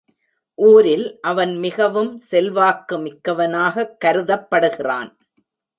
ஊரில் அவன் மிகவும் செல்வாக்கு மிக்கவனாகக் கருதப்படுகிறான்.